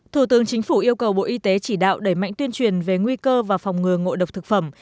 thủ tướng chính phủ yêu cầu bộ y tế chỉ đạo đẩy mạnh tuyên truyền về nguy cơ và phòng ngừa ngộ độc thực phẩm